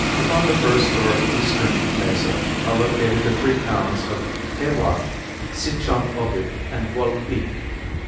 Upon the first or eastern mesa are located the three towns of Te wa, Si chom ovi and Wal pi.